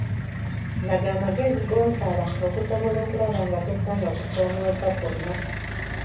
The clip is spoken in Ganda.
Laga amagezi g’osala okusobola okulaba nga tosanga kusomooza kwonna.